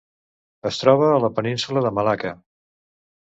Es troba a la península de Malacca.